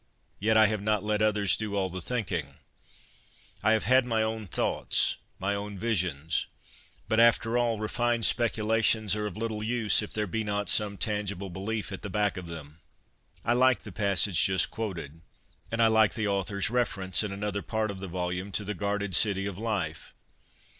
Yet, I have not let others do all the thinking. I have had A PILGRIMAGE I29 my own thoughts, my own visions. But, atter all, refined speculations are of little use if there be not some tangible belief at the back of them. I like the passage just quoted, and I like the author's reference, in another part of the volume, to the guarded city of life.